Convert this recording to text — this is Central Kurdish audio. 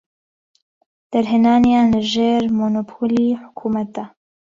دەرهێنانیان لە ژێر مۆنۆپۆلی حکومەتدا.